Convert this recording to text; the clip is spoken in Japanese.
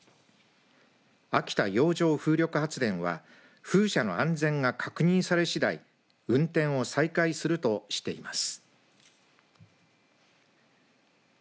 秋田洋上風力発電は風車の安全が確認されしだい運転を再開するとしています。